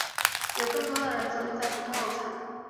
有更多人则留在普通楼层。